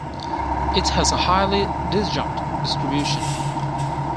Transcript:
It has a highly disjunct distribution.